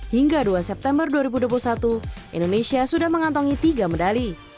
hingga dua september dua ribu dua puluh satu indonesia sudah mengantongi tiga medali